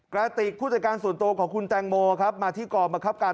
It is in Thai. กระติกผู้จัดการส่วนตัวของคุณแตงโมครับมาที่กองบังคับการ